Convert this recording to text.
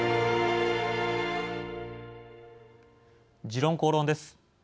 「時論公論」です。